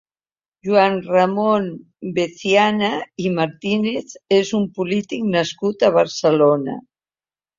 Joan Ramon Veciana i Martínez és un polític nascut a Barcelona.